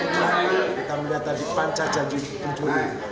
kita melihat tadi panca jajin pencuri